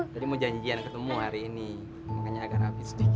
tadi mau janjian ketemu hari ini makanya agak rapi sedikit